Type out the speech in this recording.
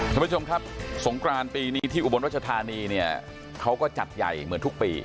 ท่านผู้ชมครับสงกรานปีนี้ที่อุบลรัชธานีเนี่ยเขาก็จัดใหญ่เหมือนทุกปี